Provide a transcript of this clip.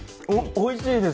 おいしいです！